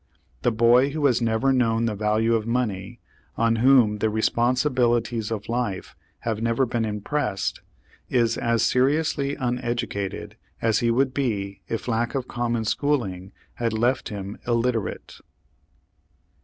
The boy who has never known the value of money, on whom the responsibilities of life have never been impressed, is as seriously uneducated as he would be if lack of common schooling had left him illiterate.